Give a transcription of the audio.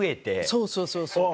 そうそうそうそう。